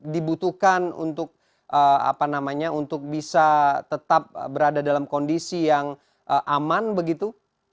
dibutuhkan untuk bisa tetap berada dalam kondisi yang aman begitu